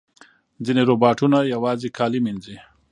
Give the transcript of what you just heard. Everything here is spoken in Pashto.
ځینې روباټونه یوازې کالي مینځي.